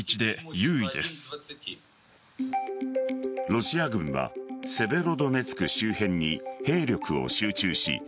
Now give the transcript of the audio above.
ロシア軍はセベロドネツク周辺に兵力を集中し